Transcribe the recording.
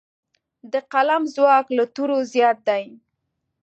د قلم ځواک له تورو زیات دی.